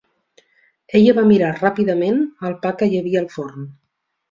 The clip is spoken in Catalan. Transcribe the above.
Ella va mirar ràpidament el pa que hi havia al forn.